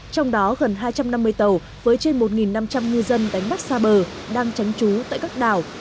trong đó gần hai trăm năm mươi tàu với trên một năm trăm linh ngư dân đánh bắt xa bờ đang tránh trú tại các đảo